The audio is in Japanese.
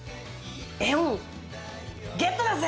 絵本ゲットだぜ！